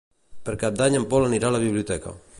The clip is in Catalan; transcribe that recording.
Per Cap d'Any en Pol anirà a la biblioteca.